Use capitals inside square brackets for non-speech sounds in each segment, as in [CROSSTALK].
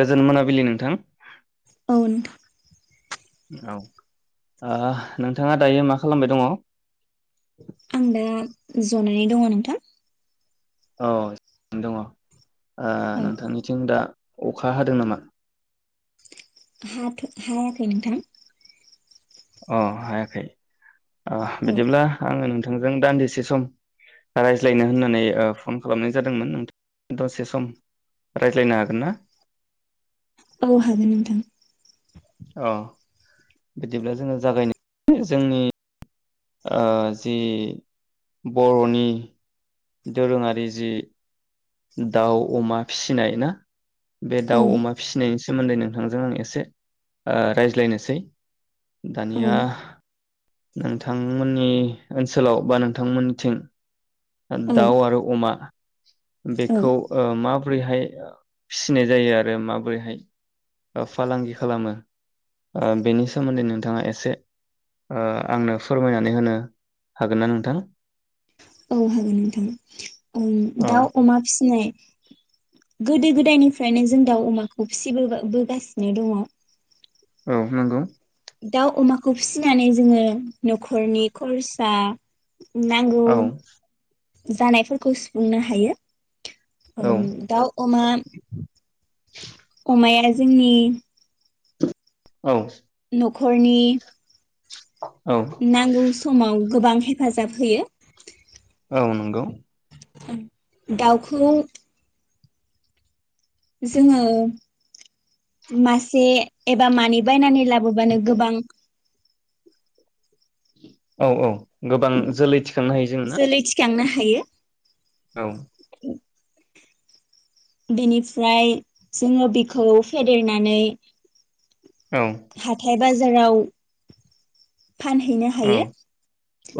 गोजोन मोनाबिलि नोंथां औ नोंथां औ ओ नोंथाङा दायो मा खालामबाय दङ। आं दा जनानै दङ नोंथां औ ज दङ ओ औ नोंथांनिथिं दा अखा हादों नामा? हाथ हायाखै नोंथां अ हायाखै अह औ बिदिब्ला आङो नों नोंथांजों दान्दिसे सम रायज्लायनो होननानै ओ फन ओ खालामनाय जादोंमोन नोंथां दसे सम रायज्लायनो हागोन ना? औ हागोन नोंथां अ बिदिब्ला जोङो जागायनो जोंनि ओ जि बर'नि दोरोङारि जि दाउ अमा फिसिनाय ना बे औ दाउ अमा फिसिनायनि सोमो सोमोन्दै नोंथांजों आं एसे ओ रायज्लायनोसै औ दानिया नोंथांमोननि ओनसोलाव बा नोंथांमोननिथिं औ दाउ आरो अमा [INAUDIBLE] औ बेखौ ओ मा बोरैहाय फिसिनाय जायो आरो माबोरैहाय ओ फालांगि खालामो ओ बेनि सोमोन्दै नोंथाङा एसे ओ आंनो फोरमायनानै होनो हागोन ना नोंथां उम औ दाउ अमा फिसिनाय गोदो गोदायनिफ्रायनो जों दाउ अमाखौ फिसिबोबा बोगासिनो दङ। औ नोंगौ दाउ अमाखौ फिसिनानै जोङो न'खरनि खरसा नांगौ औ जानायफोरखौ सुफुंनो हायो। उम औ दाउ, अमा [UNINTELLIGIBLE] अमाया जोंनि औ न'खरनि [INAUDIBLE] नांगौ समाव गोबां हेफाजाब होयो औ नंगौ दाउखौ जोङो मासे एबा मानै बायनानै लाबोबानो गोबां औ औ गोबां जोलै थिखांनो हायो जों ना जोलै थिखांनो हायो। औ बेनिफ्राय जोङो बेखौ फेदेरनानै औ हाथाय बाजाराव फानहैनो औ हायो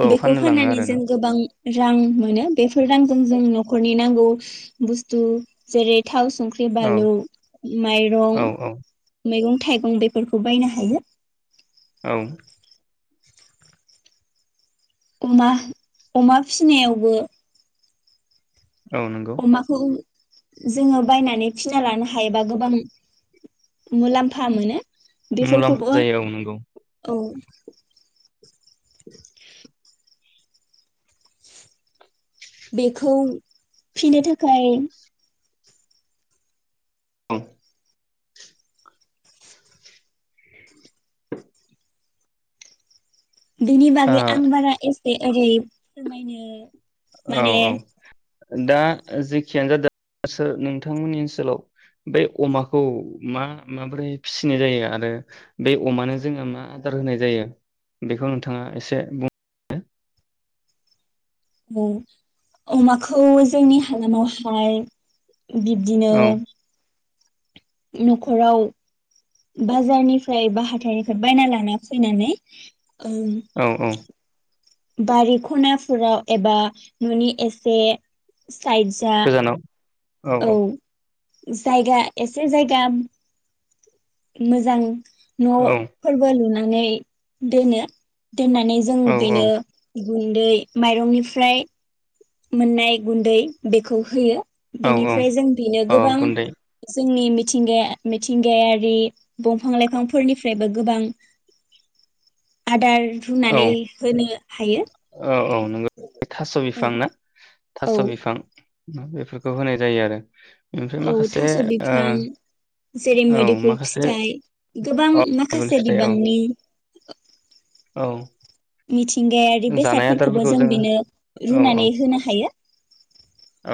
औ बेखौ फाननो लाङो फाननानै जों आरोना गोबां रां मोनो बेफोर रांजों जों न'खरनि नांगौ बुस्थु जेरै थाव संख्रि औ बालौ माइरं औ औ मैगं थाइगं बेफोरखौ बायनो हायो औ अमा अमा फिनायावबो औ नंगौ अमाखौ जोंङो बायनानै फिना लानो हायोबा गोबां मुलाम्फा मोनो मुलाम्फा बेफोरखौबो जायो औ नंगौ औ बेखौ फिनो थाखाय औ बिनि बागै आं बारा ए बे ओरै फोरमायनो औ माने औ दा जेखियानो जादों सोर नोंथांमोननि ओनसोलाव बे अमाखौ मा माबोरै फिसिनाय जायो आरो बे अमानो जोंङो मा आदार होनाय जायो बेखौ नोंथांङा एसे बुंनो ओं अमाखौ जोंनि हालामावहाय बिब्दिनो औ न'खराव बाजारनिफ्राय बा हाथाइनिफ्राय बायना लाना फैनानै ओं औ औ बारि खनाफोराव एबा न'नि एसे साइदजा गोजानाव औ औ जायगा एसे जायगा मोजां औ न'फोरबो लुनां नै दोनो दोननानै जों औ बेनो गुन्दै माइरंनिफ्राय मोननाय गुन्दै बेखौ होयो औ औ बेनिफ्राय जों बेनो औ गोबां गुन्दै जोंनि मि थिंगाया मिथिंगायारि बमफां लाइफांफोरनिफ्रायबो गोबां आदार औ बुथुमनानै होनो हायो औ औ नोंगौ थास बिफां औ ना थास' औ बिफां बेफोरखौ होनाय जायो आरो ओमफ्राय औ माखासे थास' ओ बिफां जेरै औ मैदुफुल माखासे फिथाइ गोबां औ माखासे फिथाइ औ बिबांनि औ मिथिंगायारि जानाय बेसादफोरखौबो आदारफोरखौ जों जोङो बेनो औ औ रुनानै होनो हायो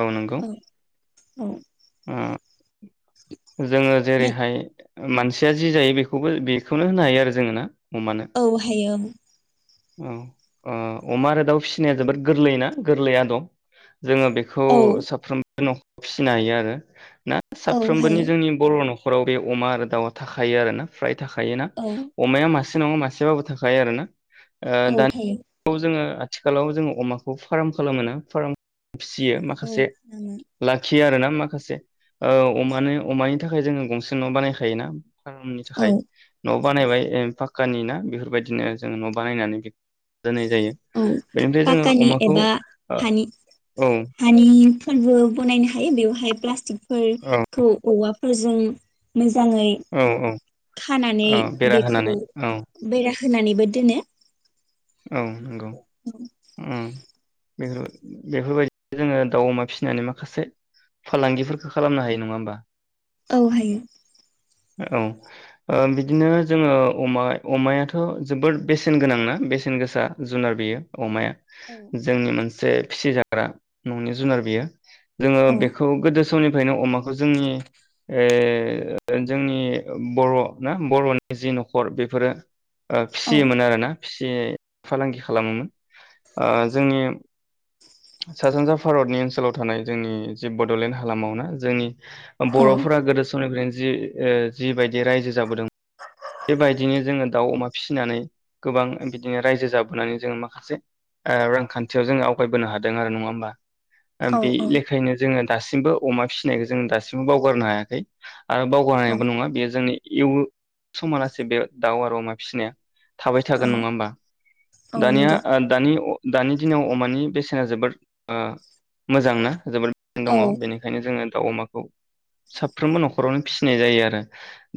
औ नंगौ औ ओ जोङो नों जेरैहाय मानसिया जि जायो बेखौबो बेखौनो होनो हायो आरो जोङो ना अमानो औ हायोम औ ओ अमा आरो दाउ फिसिनाया जोबोर गोरलै ना गोरलै आदब जोङो बेखौ औ साफ्रोम नखाव फिसिनो हायो आरो ना औ हायो साफ्रोमबोनि जोंनि बर न नखराव बे अमा आरो दाउआ थाखायो आरोना फ्राय थाखायोना औ अमाया मासे मासे नङा मासेबाबो थाखायो आरो ना ओ‌ औ दानि थायो [UNINTELLIGIBLE] जोङो आथिखालाव जोङो अमाखौ फार्म खालामो ना फार्म फिसियो औ माखासे खालामो लाखि बियो आरो ना माखासे ओ अमानो अमानि थाखाय जोङो गंसे नआव बानायखायोना नि औ थाखाय कानि ना बेफोरबायदिनो जों बानायनानै औ बेनिफ्राय जोङो पाक्कानि अमाखौ एबा हानि ओ औ हानिफोरबो बनायनो हायो बेवहाय प्लास्टिक फोर औ खौ औवा फोरजों मो मोजाङै औ औ खानानै औ बेरा होनानै बेखौ औ बेरा होनानैबो दोनो औ नंगौ ओ बेफोर बेफोरबायदि जोङो दाउ अमा फिसिनानै माखासे फालांगिफोरखौ खालामनो हायो नङा होमबा औ हायो औ ओ बिदिनो जोङो अमा अमायाथ जोबोद बेसेन गोनांना बेसेन गोसा जुनार बेयो अमाया औ जोंनि मोनसे मोनसे फिसिजाग्रा ननि जुनार बियो जोङो औ बेखौ गोदो सौनिफ्रायनो अमाखौ जोंनि ओ जोंनि बर‌ ना बरनि जि नखर बेफोरो ओ औ फिसियोमोन आरो ना फिसियै फालांगि खालामोमोन जोंनि सा सानजा भारतनि ओनसोलाव थानाय जोंनि जि बडलेण्ड हालामाव ना जोंनि औ बरफोरा गोदो समनिफ्रायनो जि ओ जिबायदि रायजो जाबोदोंमोन बेबायदिनो जोङो दाउ अमा फिसिनानै गोबां बिदिनो रायजो जाबोनानै जोङो माखासे ओ रांखान्थियाव जोङो आवगायबोनो हादों दों आरो नङा होमबा ओ बे औ एखेयनो जोङो दासिमबो अमा फिसिनायखौ जों दासिमबो बावगारनो हायाखै आरो औ बावगारायबो नङा बेयो जोंनि एवो समालासै बे दाउ आरो अमा फिसिनाया थाबाय औ थागोन नङा होमबा औ दानिया नंगौ आ दानि अ दानि दिनाव अमानि बेसे जोबोर ओ मोजांना जोबोर औ दङ बेनिखायनो जोङो दाउ अमाखौ साफ्रोमबो नखरावनो फिसिनाय जायो आरो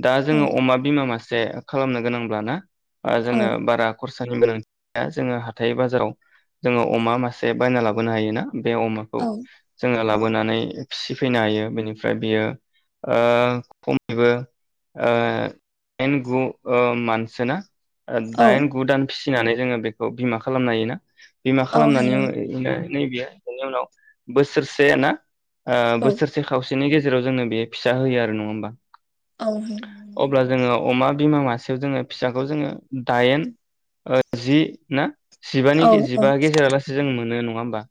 दा औ जोङो अमा बिमा मासे जे खालामनो गोनांब्ला ना ओ जोनो औ बारा खरसानि गोनांथिया जोङो हाथाय बाजाराव जोङो अमा मासे ए बायना लाबोनो हायो ना बे अमाखौ औ जोङो लाबो बोनानै फिसिफैनो हायो बेनिफ्राय बियो ओ खमैबोओ इन गु मानसोना ओ औ दाइन गु दान फिसिनानै जोङो बेखौ बिमा खालामनो हायो ना बिमा औ खालामनानै हायो [UNINTELLIGIBLE] ओ नैबे बेनि उनाव बोसोरसे ना ओ औ बोसोरसे खावसे बिनि गेजेराव जोंनो बे फिसा होयो आरो नङा होमबा औ अब्ला जोङो अमा बिमा मासेयाव जोङो फिसाखौ जोङो दाइन ओ जि ना जिबानि गे औ औ जिबा गेजेरालासै मोनो नङा होनोमबा।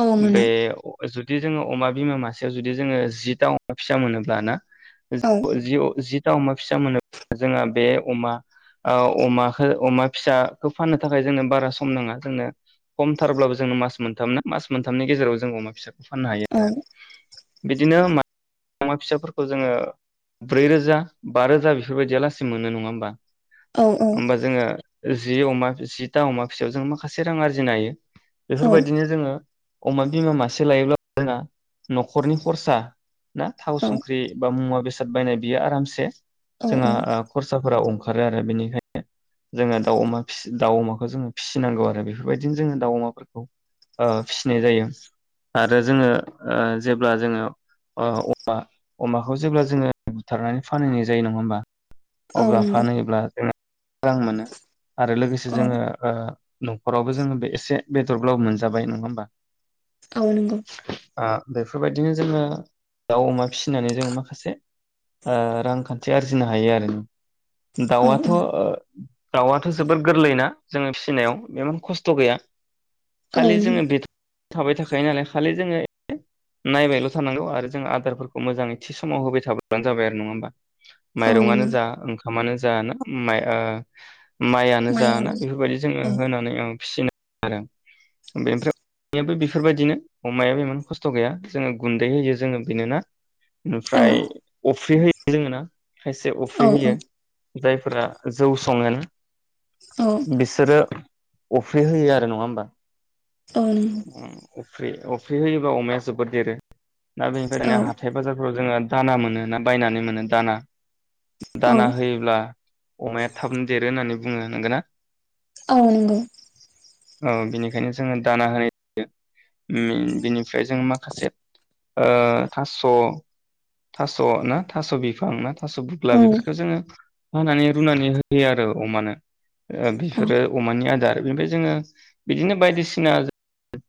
औ मोनो बे अ जो। बि जुदि जोङो अमा बिमा मासेयाव जुदि जोङो जिथा अमा फिसा मोनोब्ल ना। औ जिअ जिअ जि। दा अमा फिसा मोनोब्ला जोंहा बे अमा अमखौ अमा फिसाखौ फाननो थाखाय जोंनो बारा सम नाङा जोंनो खम थारब्लाबो जों मास मोनथाम ना मास मोनथामनि गेजेराव जोंङो अमा फिसाखौ फाननो हायो औ आरो। बिदिनो मा अमा फिसाफोरखौ जोङो ब्रैरोजा बा रोजा बेफोरबायदि आलासि मोनो नङा होमबा। औ होमबा जोङो जि अमा जिथा अमा फिसायाव जों माखासे रां आरजिनो हायो। बेफोरबायदिनो जोङो अमा बिमा मासे लायोब्ला जोंहा नखरनि खरसा ना थाव औ संख्रि बा मुवा बे साद बायनाय बियो आरामसे औ जोंहा ओ खरसाफोरा अंखा ओंखारो आरो बेनिखायनो जोङो दाउ अमा फिस दाउ अमाखौ जोङो फिसिनांगौ आरो बेफोरबायदिनो जोङो दाउ अमाफोरखौ ओ फिसिनाय जायो आरो जोङो ओ जेब्ला जोङो ओ अमा अमाखौ जेब्ला जोङो बुथारनानै फानहैनाय जायो नङा होमबा। औ अब्ला नंगौ फानहैब्ला जों आ मोनो आरो लोगोसे औ जोङो ओ न'खराव बो जोङो बेस एसे बेदरब्लाबो मोनजाबाय नङा होमबा। ओ नोंगौ। ओ बेफोरबायदिनो जोङो दाउ अमा फिसिनानै जोङो माखासे ओ रांखान्थि आरजिनो हायो आरो। औ दाउआथ ओ दाउआथ जबोर गोरलैना? जोङो फिसिनायाव बेमोन खस्थ गैया औ खालि नंगौ जोङो बे थाबाय थाखायो नालाय खालि जोङो नायबायल थानांगौ आरो जों आदारफोरखौ मोजाङै थि समाव होबाय थाब्लानो जाबाय आरो नङा होमबा। औ माइरंआनो नंगौ जा ओंखामानो जाना उम माइ ओ माइआनो जाना माइयाबो बेफोरबायदि जोङो औ होनानै फिसिनो आरो बेनिफ्राय [UNINTELLIGIBLE] बेनिफ्राय बेफोरबायदिनो अमायाबो इमान खस्थ गैया जोङो गुन्दै होयो जोङो बेनोना औ ओमफ्राय अफ्रि होयो। जोङो ना खायसे अफ्रि औ होयो। जायफोरा जौ सङो ना औ बिसोरो अ फ्रि होयो आरो नङा होमबा? औ नंगौ। फ्रि अफ्रि होयोबा अमाया जोबोद देरो। ना बेनिफाय औ [UNINTELLIGIBLE] हाथाइ बाजार फोराव जोंङो दाना मोनो ना बायनानै मोनो दाना। औ दाना होयोब्ला अमाया थाबनो देरो होननानै बुंङो नोंगोना? औ नंगौ। औ बिनिखायनो जोङो दाना होयो [UNINTELLIGIBLE] बिनिफ्राय जों माखासे ओ थास' थास' ना थास' बिफां ना थास' बुग्ला औ नंगौ औ बेफोरखो जोङो हानानै रुनानै होयो आरो अमानो। ओ बिफोरो अमानि आद बेनिफाय जोङो बिदिनो बायदिसिना [UNINTELLIGIBLE]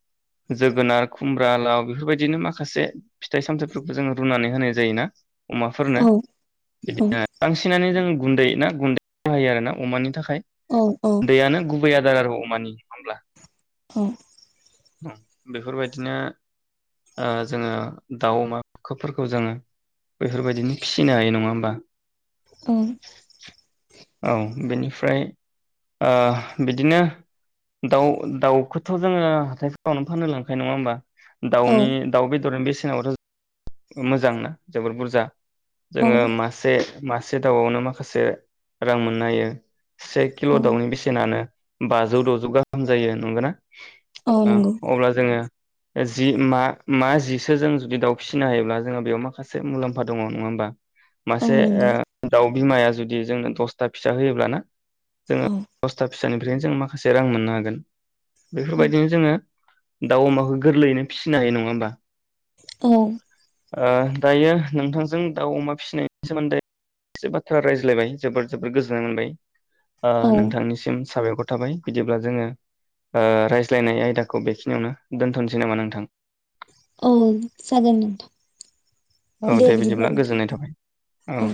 जोगोनार खुमब्रा लाव बेफोरबायदिनो माखासे फिथाइ सामथाइफोरखौ जोङो रुनानै होनाय जायोना। अमाफोरनो [UNINTELLIGIBLE] नंगौ बांसिनानो जों गुन्दै ना गुन्दै बाहायो आरोना अमानि थाख औ औ [UNINTELLIGIBLE] गुन्दैयानो गुबै आ [UNINTELLIGIBLE] अमानि होमब्ला। औ बेफोरबायदिनो ओ जोङो दाउ अमाखो फोरखौ जोङो बेफोरबायदिनो फिसिनो हायो नङा होमबा? औ औ बेनिफ्राय ओ बिदिनो दाउ दाउखौथ' जोङो थाइफोरावनो फाननो लांखायो नङा होमबा? दाउनि दाउ बेदरनि बेसे [UNINTELLIGIBLE] मोजांना जोबोर बुरजा। जोङो मासे मासे दाउआवनो माखासे रां मोननो हायो। से किल' दाउनि बेसेनानो बाजौ द'जौ गाहाम जायो नंगोना? ओ अब्ला जोङो जि मा मा जिसो जों जुदि दाउ फिसिनो हायोब्ला जोंहा बेयाव माखासे मुलामफा दङ नङा होमबा? मासे ओ दाउ बिमाया जुदि जोंनो दसथा फिसा होयोब्ला ना? जोङो दस्था फिसानिफ्रायनो जों माखासे रां मोननो हागोन। बेफोरबायदिनो जोङो दाउ अमाखौ गोरलैयैनो फिसिनो हायो नङा होमबा? औ ओ दायो नोंथांजों दाउ अमा फिसिनायनि सोमोन्दै एसे बाथ्रा रायज्लायबाय जोबोर जोबोर गोजोननाय मोनबाय। ओ नोंथांनिसिम साबायखर थाबाय बिदिब्ला जोङो ओ रायज्लायनाय आयदाखौ बेखिनियावनो दोन्थनोसै नामा नोंथां? औ जागोन नोंथां औ दे बिदिब्ला गोजोननाय थाबाय नोंथां औ।